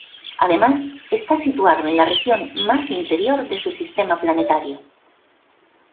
Además, está situado en la región más interior de su sistema planetario.